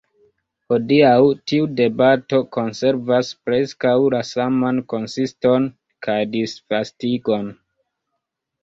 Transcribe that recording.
Hodiaŭ tiu debato konservas preskaŭ la saman konsiston kaj disvastigon.